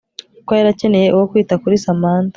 kuko yari akeneye uwo kwita kuri Samantha